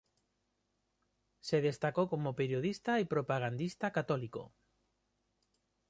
Se destacó como periodista y propagandista católico.